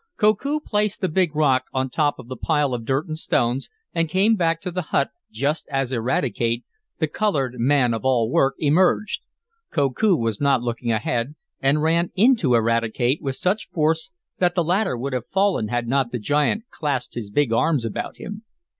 Koku placed the big rock on top of the pile of dirt and stones and came back to the hut, just as Eradicate, the colored man of all work, emerged. Koku was not looking ahead, and ran into Eradicate with such force that the latter would have fallen had not the giant clasped his big arms about him.